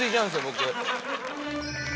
僕。